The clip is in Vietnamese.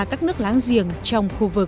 các nước láng giềng trong khu vực